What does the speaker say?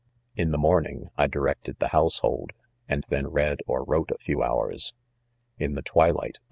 'In .the morning I. directed the household, ■and then read or wrote a few hours. In the twilight a